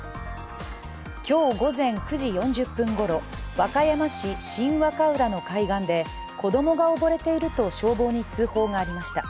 今日午前９時４０分ごろ、和歌山市・新和歌浦の海岸で子供が溺れていると消防に通報がありました。